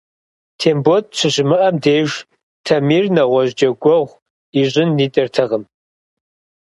Тембот щыщымыӀэм деж, Тамир нэгъуэщӀ джэгуэгъу ищӀын идэртэкъым.